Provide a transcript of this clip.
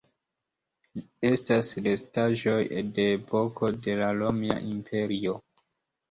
Estas restaĵoj de epoko de la Romia Imperio.